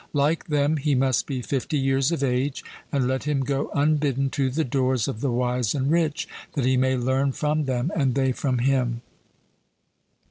Like them he must be fifty years of age: and let him go unbidden to the doors of the wise and rich, that he may learn from them, and they from him.